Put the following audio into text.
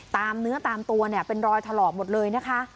ตามเนื้อตามตัวเนี่ยเป็นรอยถลอกหมดเลยนะคะ